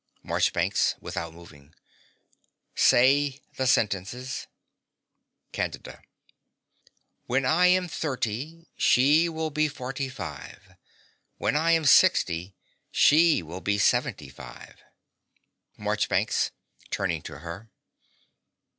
MARCHBANKS (without moving). Say the sentences. CANDIDA. When I am thirty, she will be forty five. When I am sixty, she will be seventy five. MARCHBANKS (turning to her).